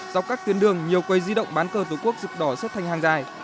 dọc các tuyến đường nhiều quầy di động bán cờ tổ quốc rực đỏ xuất thành hàng dài